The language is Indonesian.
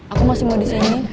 aku masih mau disini